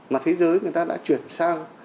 mà thế giới người ta đã chuyển sang